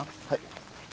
はい。